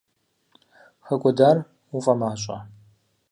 ХэкӀуэдар уфӀэмащӀэ?